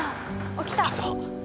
起きた。